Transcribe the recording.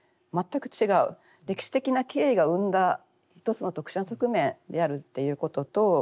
歴史的な経緯が生んだ一つの特殊な側面であるっていうことと。